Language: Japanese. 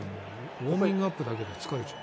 ウォーミングアップだけで疲れちゃう。